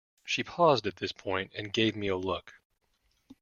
She paused at this point and gave me a look.